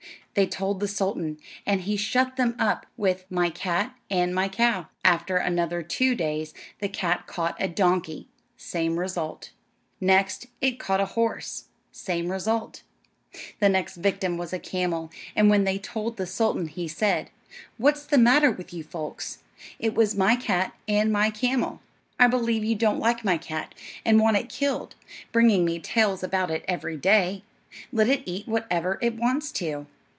They told the sultan, and he shut them up with "My cat, and my cow." After another two days the cat caught a donkey; same result. Next it caught a horse; same result. The next victim was a camel; and when they told the sultan he said: "What's the matter with you folks? It was my cat, and my camel. I believe you don't like my cat, and want it killed, bringing me tales about it every day. Let it eat whatever it wants to."